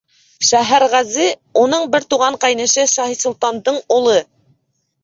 Шәһәрғәзе — уның бер туған ҡәйнеше Шаһисолтандың улы.